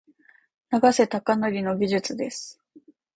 永瀬貴規の技術です。